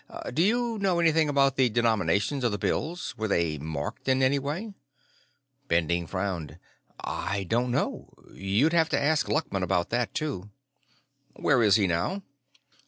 Do you know anything about the denominations of the bills? Were they marked in any way?" Bending frowned. "I don't know. You'd have to ask Luckman about that, too." "Where is he now?"